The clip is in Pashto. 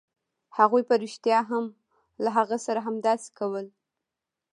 هغوی په رښتیا هم له هغه سره همداسې کول